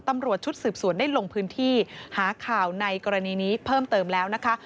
ตำรวจชุดสืบสวนได้ลงพื้นที่หาข่าวในกรณีนี้เพิ่มเติมแล้วนะคะ